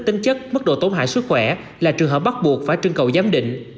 tính chất mức độ tổn hại sức khỏe là trường hợp bắt buộc phải trưng cầu giám định